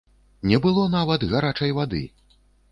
Не было нават гарачай вады!